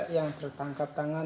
yang tertangkap tangan